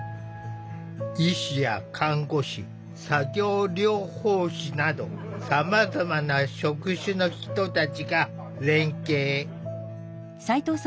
医師や看護師作業療法士などさまざまな職種の人たちが連携。